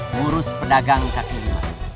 ngurus pedagang kaki